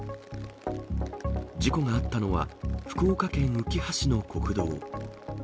事故があったのは、福岡県うきは市の国道。